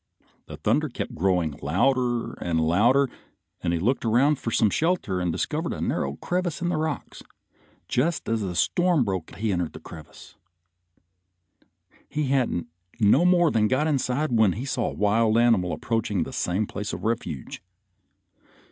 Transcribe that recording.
The thunder kept growing louder and louder, and he looked around for some shelter and discovered a narrow crevice in the rocks, and just as the storm broke he entered this crevice. He hadn't no more than got inside when he saw a wild animal approaching the same place of refuge.